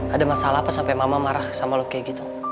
ada masalah apa sampe mama marah sama lo kayak gitu